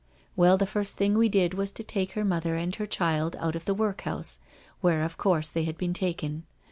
Well, the first thing we did was to take her mother and her child out of the workhouse, where of course they had been taken.